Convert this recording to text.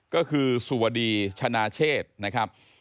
ก็คือสุวดีชนะเชษนะครับ